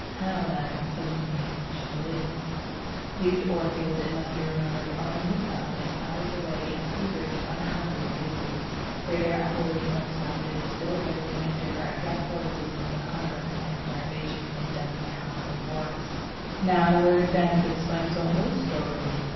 How, then, does it manage to live? These orchids, it must be remembered, are only found in out of the way and feverish, unhealthy places, where the aboriginal savages still lurk and endure a dreadful existence of hunger and starvation in dense tropical forests. Now the word "dense" explains the whole story.